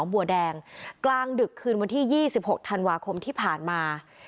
บัวแดงกลางดึกคืนวันที่๒๖ธันวาคมที่ผ่านมา